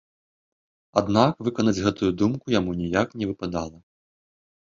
Аднак выканаць гэтую думку яму ніяк не выпадала.